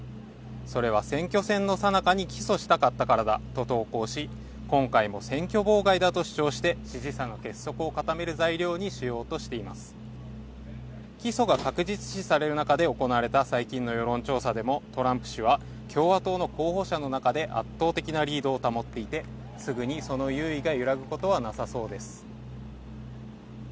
それは選挙戦のさなかに起訴しなかったからだと投稿し今回も選挙妨害だと主張して支持者の結束を固める材料にしようとしています起訴が確実視される中で行われた最近の世論調査でもトランプ氏は共和党の候補者の中で圧倒的なリードを保っていてすぐにその優位が揺らぐことはなさそうです